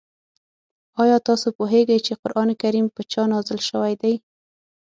آیا تاسو پوهېږئ چې قرآن کریم په چا نازل شوی دی؟